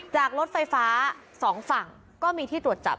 รถไฟฟ้า๒ฝั่งก็มีที่ตรวจจับ